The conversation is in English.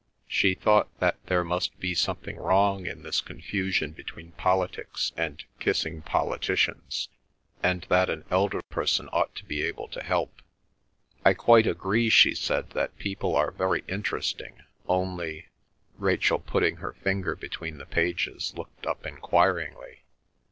She thought that there must be something wrong in this confusion between politics and kissing politicians, and that an elder person ought to be able to help. "I quite agree," she said, "that people are very interesting; only—" Rachel, putting her finger between the pages, looked up enquiringly.